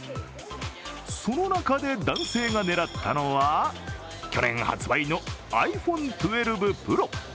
その中で男性が狙ったのは去年発売のｉＰｈｏｎｅ１２Ｐｒｏ。